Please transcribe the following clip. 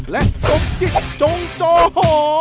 และสมจิตจงจอหอ